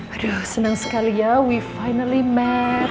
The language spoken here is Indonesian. aduh senang sekali ya we finally met